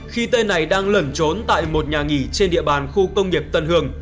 khi tên này đang lẩn trốn tại một nhà nghỉ trên địa bàn khu công nghiệp tân hương